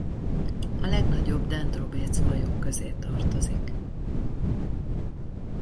A legnagyobb Dendrobates-fajok közé tartozik.